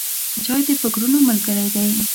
چای د فکرونو ملګری دی.